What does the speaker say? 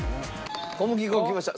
小麦粉きました。